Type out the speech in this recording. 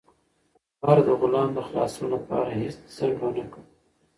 عمر د غلام د خلاصون لپاره هیڅ ځنډ ونه کړ.